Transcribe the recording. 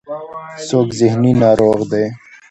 څوک ذهني ناروغ دی.